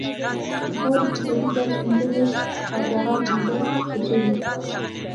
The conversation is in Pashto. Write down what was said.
د خاورې فیصدي باید پنځه دېرش او جغل پینځه شپیته وي